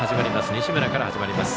西村から始まります。